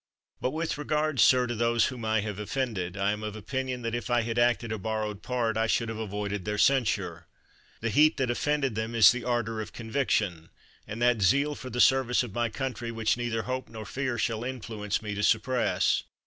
But with regard, sir, to those whom I have of fended, I am of opinion that if I had acted a bor rowed part I should have avoided their censure. The heat that offended them is the ardor of con viction, and that zeal for the service of my coun 195 THE WORLD'S FAMOUS ORATIONS try which neither hope nor fear shall influence me to suppress.